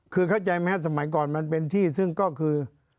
คือเข้าใจไหมครับสมัยก่อนมันเป็นที่ซึ่งก็คือ